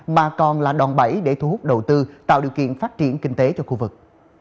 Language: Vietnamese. mà còn là đòn bẩy để thu hút đầu tư tạo điều kiện phát triển kinh tế cho khu vực